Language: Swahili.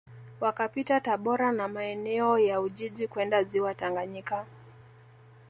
Wakapita Tabora na maeneo ya Ujiji kwenda Ziwa Tanganyika